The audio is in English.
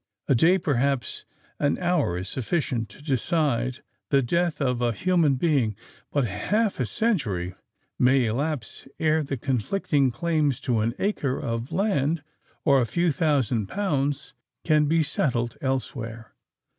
A day—perhaps an hour is sufficient to decide the death of a human being; but half a century may elapse ere the conflicting claims to an acre of land or a few thousand pounds can be settled elsewhere.